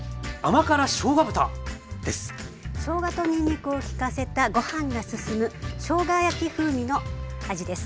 しょうがとにんにくをきかせたご飯が進むしょうが焼き風味の味です。